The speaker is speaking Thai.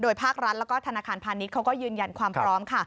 ภาครัฐแล้วก็ธนาคารพาณิชย์เขาก็ยืนยันความพร้อมค่ะ